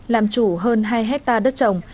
làm chủ hơn hai hecta đất trồng